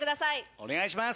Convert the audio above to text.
お願いします。